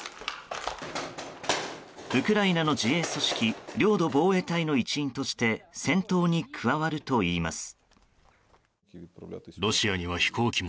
ウクライナの自衛組織領土防衛隊の一員として戦闘に加わるといいます。